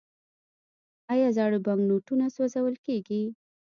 آیا زاړه بانکنوټونه سوځول کیږي؟